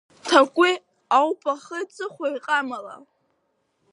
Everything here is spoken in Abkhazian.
Ҭакәи аупа ахи аҵыхәеи, ҟамала…